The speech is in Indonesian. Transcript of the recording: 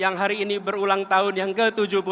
yang hari ini berulang tahun yang ke tujuh puluh dua